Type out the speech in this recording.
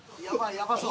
やばそう。